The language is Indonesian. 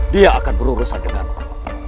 dia akan berurusan denganmu